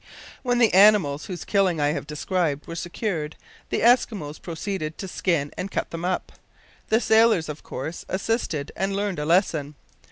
When the animals, whose killing I have described, were secured, the Eskimos proceeded to skin and cut them up. The sailors, of course, assisted, and learned a lesson.